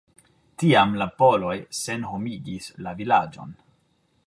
Tiam la poloj senhomigis la vilaĝon.